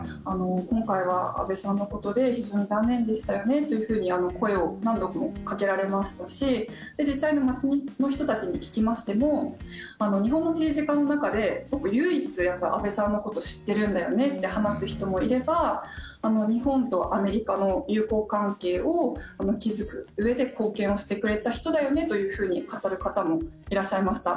今回は安倍さんのことで非常に残念でしたよねというふうに声を何度もかけられましたし実際、街の人たちに聞きましても日本の政治家の中で唯一、安倍さんのこと知ってるんだよねって話す人もいれば日本とアメリカの友好関係を築くうえで貢献をしてくれた人だよねというふうに語る方もいらっしゃいました。